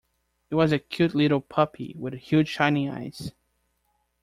It was a cute little puppy, with huge shining eyes.